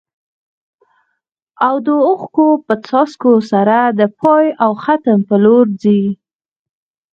او د اوښکو په څاڅکو سره د پای او ختم په لور ځي.